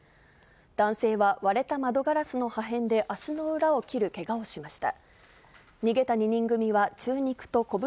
男性は、割れた窓ガラスの破片で足の裏を切るけがをしました。